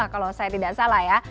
kalau saya tidak salah ya